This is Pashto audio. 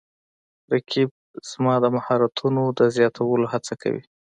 رقیب زما د مهارتونو د زیاتولو هڅه کوي